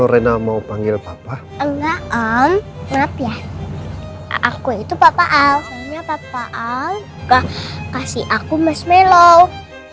hanya papa al gak kasih aku marshmallow